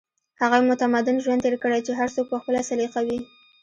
هغې متمدن ژوند تېر کړی چې هر څوک په خپله سليقه وي